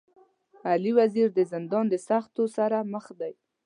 علي وزير د زندان د سختو سره مخ دی.